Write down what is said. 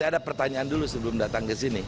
ada pertanyaan dulu sebelum datang ke sini